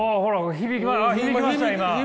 響きましたよね。